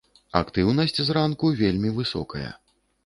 Актыўнасць зранку вельмі высокая.